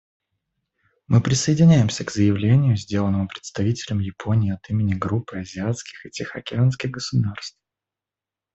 Мы присоединяемся к заявлению, сделанному представителем Японии от имени Группы азиатских и тихоокеанских государств.